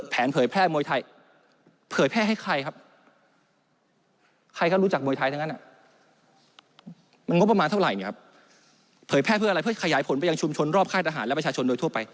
เผยแพร่มวยไทยเผยแพร่ให้ใครครับใครเขารู้จักมวยไทยทั้งนั้นมันงบประมาณเท่าไหร่เนี่ยครับเผยแพร่เพื่ออะไรเพื่อขยายผลไปยังชุมชนรอบค่ายทหารและประชาชนโดยทั่วไป